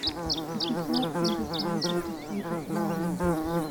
It is roughly the size of the state of Vermont.